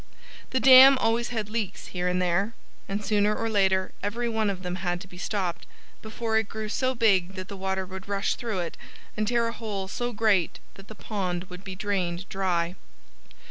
The dam always had leaks here and there. And sooner or later every one of them had to be stopped, before it grew so big that the water would rush through it and tear a hole so great that the pond would be drained dry.